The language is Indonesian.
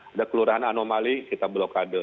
ada kelurahan anomali kita blokade